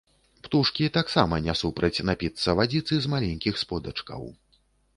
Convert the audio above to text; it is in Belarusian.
Птушкі таксама не супраць напіцца вадзіцы з маленькіх сподачкаў.